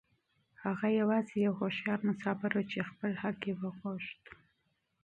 هغه يوازې يو هوښيار مسافر و چې خپل حق يې غوښت.